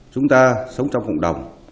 chúng ta sống trong cộng đồng